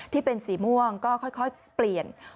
ที่เป็นสีม่วงก็ค่อยเปลี่ยน